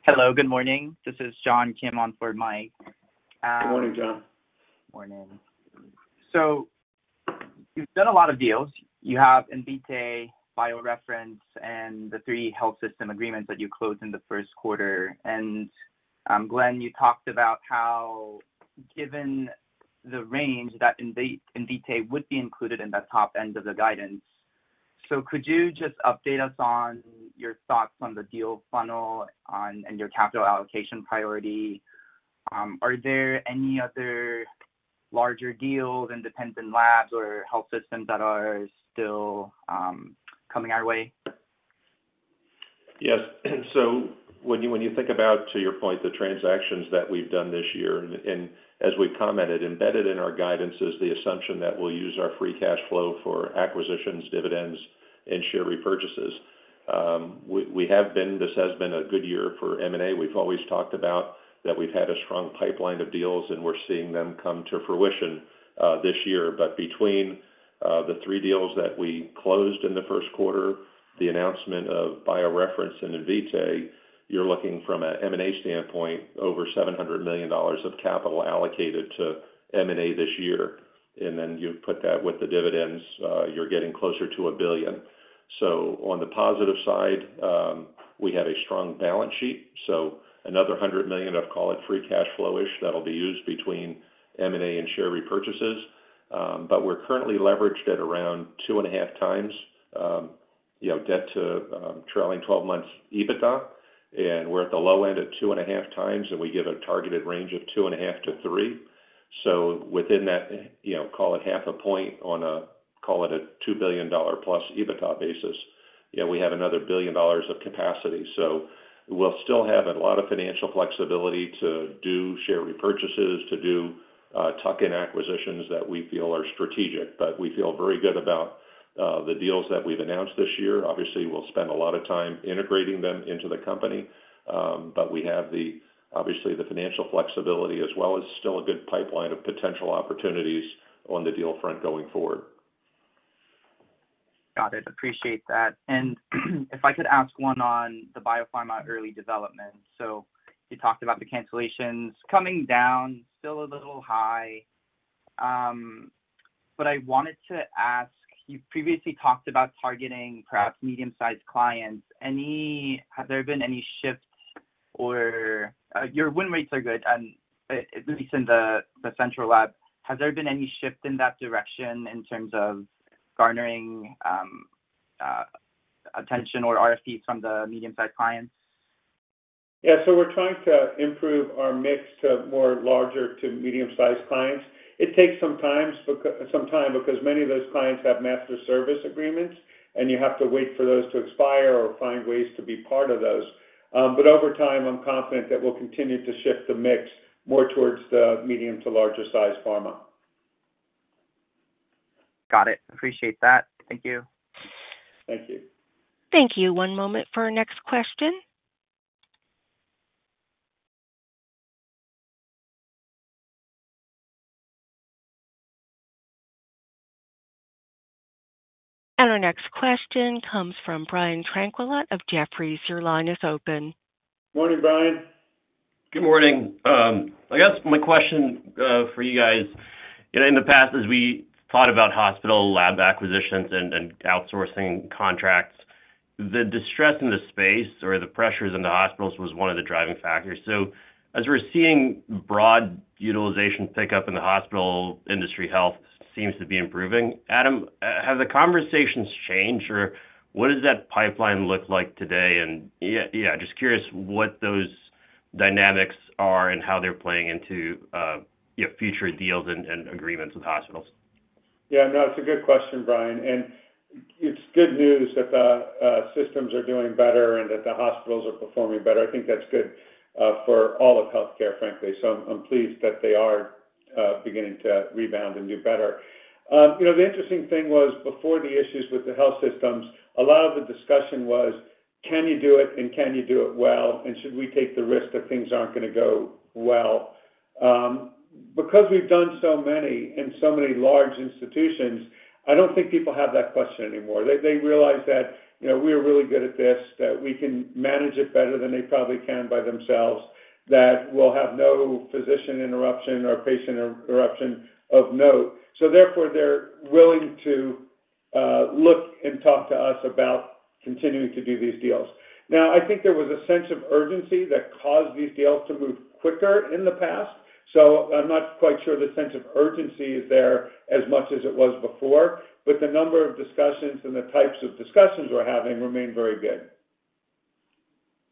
Hello. Good morning. This is John Kim on for Mike. Good morning, John. Morning. You've done a lot of deals. You have Invitae, BioReference, and the three health system agreements that you closed in the first quarter. Glenn, you talked about how, given the range that Invitae would be included in the top end of the guidance, so could you just update us on your thoughts on the deal funnel and your capital allocation priority? Are there any other larger deals, independent labs, or health systems that are still coming our way? Yes. So when you think about, to your point, the transactions that we've done this year, and as we've commented, embedded in our guidance is the assumption that we'll use our free cash flow for acquisitions, dividends, and share repurchases. This has been a good year for M&A. We've always talked about that we've had a strong pipeline of deals, and we're seeing them come to fruition this year. But between the three deals that we closed in the first quarter, the announcement of BioReference and Invitae, you're looking, from an M&A standpoint, over $700 million of capital allocated to M&A this year. And then you put that with the dividends, you're getting closer to $1 billion. So on the positive side, we have a strong balance sheet. So another $100 million, I've called it free cash flow-ish, that'll be used between M&A and share repurchases. But we're currently leveraged at around 2.5x debt to trailing 12-month EBITDA, and we're at the low end at 2.5x, and we give a targeted range of 2.5x-3x. So within that, call it half a point on a, call it a $2 billion-plus EBITDA basis, we have another $1 billion of capacity. So we'll still have a lot of financial flexibility to do share repurchases, to do tuck-in acquisitions that we feel are strategic. But we feel very good about the deals that we've announced this year. Obviously, we'll spend a lot of time integrating them into the company, but we have, obviously, the financial flexibility as well as still a good pipeline of potential opportunities on the deal front going forward. Got it. Appreciate that. And if I could ask one on the biopharma early development. So you talked about the cancellations coming down, still a little high. But I wanted to ask, you previously talked about targeting perhaps medium-sized clients. Have there been any shifts or your win rates are good, at least in the central lab? Has there been any shift in that direction in terms of garnering attention or RFPs from the medium-sized clients? Yeah. So we're trying to improve our mix to more larger to medium-sized clients. It takes some time because many of those clients have master service agreements, and you have to wait for those to expire or find ways to be part of those. But over time, I'm confident that we'll continue to shift the mix more towards the medium to larger-sized pharma. Got it. Appreciate that. Thank you. Thank you. Thank you. One moment for our next question. Our next question comes from Brian Tanquilut of Jefferies. Your line is open. Morning, Brian. Good morning. I guess my question for you guys in the past, as we thought about hospital lab acquisitions and outsourcing contracts, the distress in the space or the pressures in the hospitals was one of the driving factors. As we're seeing broad utilization pickup in the hospital industry, health seems to be improving. Adam, have the conversations changed, or what does that pipeline look like today? And yeah, just curious what those dynamics are and how they're playing into future deals and agreements with hospitals. Yeah. No, it's a good question, Brian. It's good news that the systems are doing better and that the hospitals are performing better. I think that's good for all of healthcare, frankly. I'm pleased that they are beginning to rebound and do better. The interesting thing was, before the issues with the health systems, a lot of the discussion was, "Can you do it, and can you do it well, and should we take the risk that things aren't going to go well?" Because we've done so many in so many large institutions, I don't think people have that question anymore. They realize that we are really good at this, that we can manage it better than they probably can by themselves, that we'll have no physician interruption or patient interruption of note. Therefore, they're willing to look and talk to us about continuing to do these deals. Now, I think there was a sense of urgency that caused these deals to move quicker in the past. I'm not quite sure the sense of urgency is there as much as it was before, but the number of discussions and the types of discussions we're having remain very good.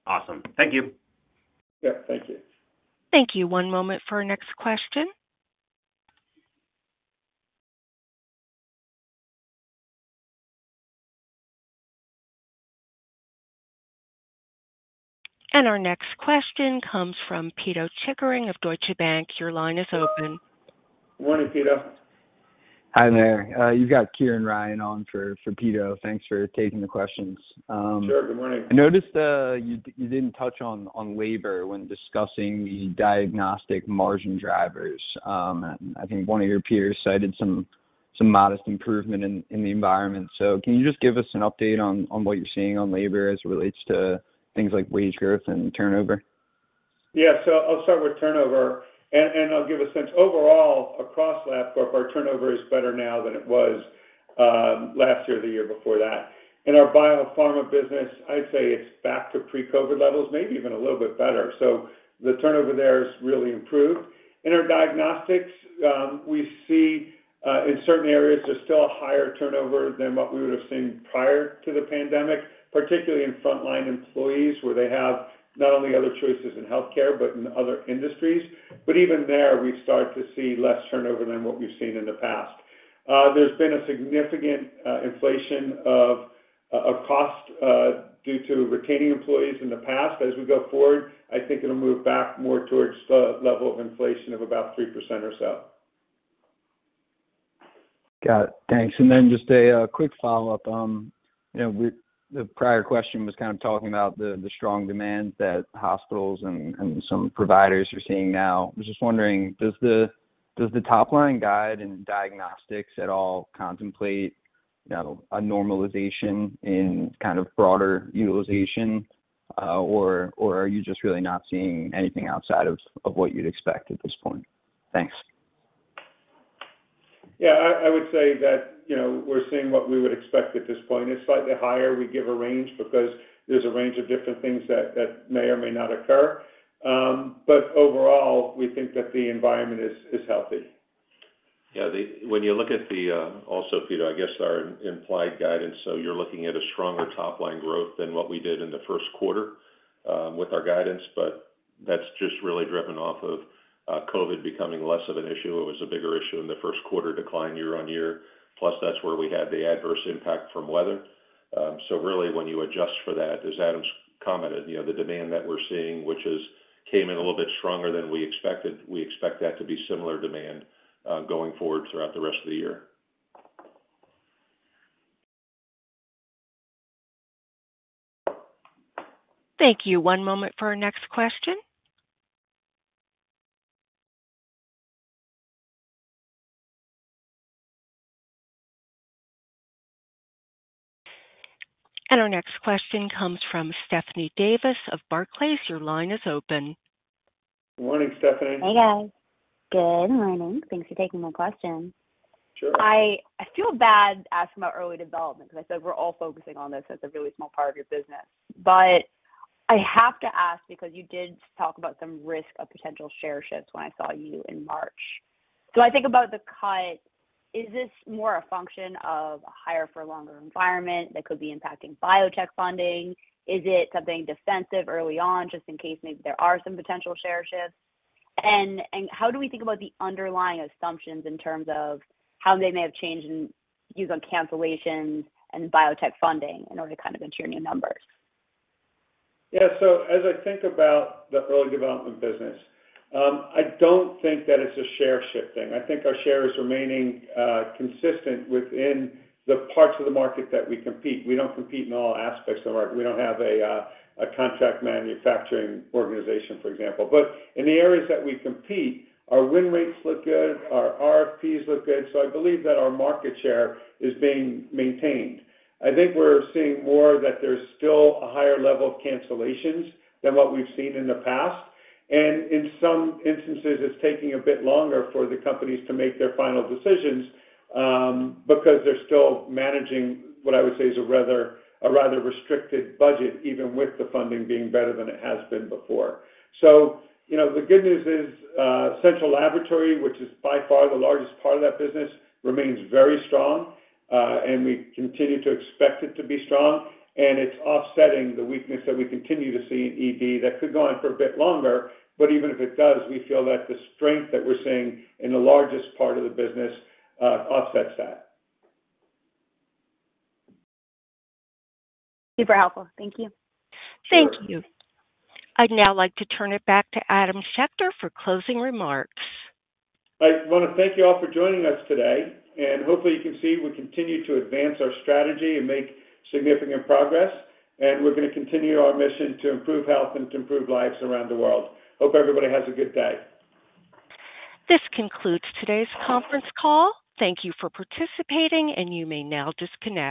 Awesome. Thank you. Yep. Thank you. Thank you. One moment for our next question. Our next question comes from Pito Chickering of Deutsche Bank. Your line is open. Morning, Pito. Hi there. You've got Kieran Ryan on for Pito. Thanks for taking the questions. Sure. Good morning. I noticed you didn't touch on labor when discussing the diagnostic margin drivers. I think one of your peers cited some modest improvement in the environment. Can you just give us an update on what you're seeing on labor as it relates to things like wage growth and turnover? Yeah. I'll start with turnover, and I'll give a sense. Overall, across Labcorp, our turnover is better now than it was last year, the year before that. In our biopharma business, I'd say it's back to pre-COVID levels, maybe even a little bit better. So the turnover there has really improved. In our diagnostics, we see in certain areas, there's still a higher turnover than what we would have seen prior to the pandemic, particularly in frontline employees where they have not only other choices in healthcare but in other industries. But even there, we've started to see less turnover than what we've seen in the past. There's been a significant inflation of cost due to retaining employees in the past. As we go forward, I think it'll move back more towards the level of inflation of about 3% or so. Got it. Thanks. And then just a quick follow-up. The prior question was kind of talking about the strong demand that hospitals and some providers are seeing now. I was just wondering, does the top-line guide and diagnostics at all contemplate a normalization in kind of broader utilization, or are you just really not seeing anything outside of what you'd expect at this point? Thanks. Yeah. I would say that we're seeing what we would expect at this point. It's slightly higher. We give a range because there's a range of different things that may or may not occur. But overall, we think that the environment is healthy. Yeah. When you look at that, also, Pito, I guess our implied guidance, so you're looking at a stronger top-line growth than what we did in the first quarter with our guidance, but that's just really driven off of COVID becoming less of an issue. It was a bigger issue in the first quarter, decline year-on-year. Plus, that's where we had the adverse impact from weather. So really, when you adjust for that, as Adam commented, the demand that we're seeing, which came in a little bit stronger than we expected, we expect that to be similar demand going forward throughout the rest of the year. Thank you. One moment for our next question. Our next question comes from Stephanie Davis of Barclays. Your line is open. Good morning, Stephanie. Hey, guys. Good morning. Thanks for taking my question. Sure. I feel bad asking about early development because I feel like we're all focusing on this as a really small part of your business. But I have to ask because you did talk about some risk of potential share shifts when I saw you in March. So I think about the cut. Is this more a function of a higher-for-longer environment that could be impacting biotech funding? Is it something defensive early on just in case maybe there are some potential share shifts? And how do we think about the underlying assumptions in terms of how they may have changed in use on cancellations and biotech funding in order to kind of ensure new numbers? Yeah. So as I think about the early development business, I don't think that it's a share shift thing. I think our share is remaining consistent within the parts of the market that we compete. We don't compete in all aspects of the market. We don't have a contract manufacturing organization, for example. But in the areas that we compete, our win rates look good. Our RFPs look good. So I believe that our market share is being maintained. I think we're seeing more that there's still a higher level of cancellations than what we've seen in the past. And in some instances, it's taking a bit longer for the companies to make their final decisions because they're still managing what I would say is a rather restricted budget, even with the funding being better than it has been before. The good news is Central Laboratory, which is by far the largest part of that business, remains very strong, and we continue to expect it to be strong. It's offsetting the weakness that we continue to see in ED that could go on for a bit longer. Even if it does, we feel that the strength that we're seeing in the largest part of the business offsets that. Super helpful. Thank you. Thank you. I'd now like to turn it back to Adam Schechter for closing remarks. I want to thank you all for joining us today. Hopefully, you can see we continue to advance our strategy and make significant progress. We're going to continue our mission to improve health and to improve lives around the world. Hope everybody has a good day. This concludes today's conference call. Thank you for participating, and you may now disconnect.